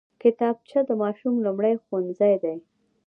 کتابچه د ماشوم لومړی ښوونځی دی